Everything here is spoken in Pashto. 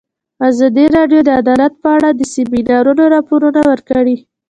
ازادي راډیو د عدالت په اړه د سیمینارونو راپورونه ورکړي.